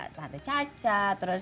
sehat caca terus